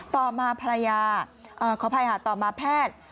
ต่อมาภรรยาขออภัยค่ะต่อมาแพทย์